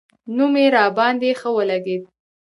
نوم یې راباندې ښه ولګېد.